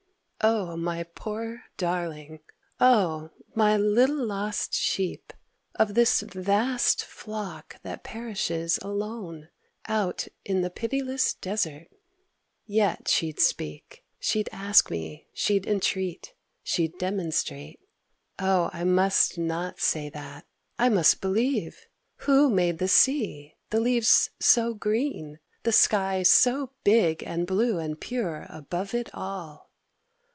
O my poor darling, O my little lost sheep Of this vast flock that perishes alone Out in the pitiless desert!—Yet she'd speak: She'd ask me: she'd entreat: she'd demonstrate. O I must not say that! I must believe! Who made the sea, the leaves so green, the sky So big and blue and pure above it all?